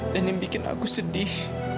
dan yang bikin aku sedih